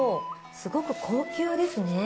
すごく高級ですね。